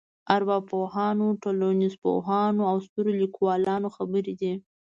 ارواپوهانو ټولنپوهانو او سترو لیکوالانو خبرې دي.